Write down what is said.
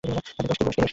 তাতে দোষ কী?